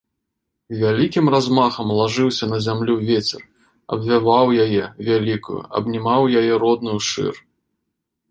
Вялікім размахам лажыўся на зямлю вецер, абвяваў яе, вялікую, абнімаў яе родную шыр.